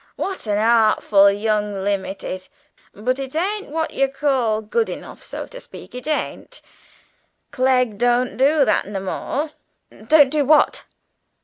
"What a artful young limb it is! But it ain't what yer may call good enough, so to speak, it ain't. Clegg don't do that no more!" "Don't do what?"